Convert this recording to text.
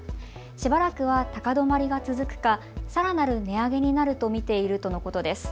しばらくは高止まりが続くかさらなる値上げになると見ているとのことです。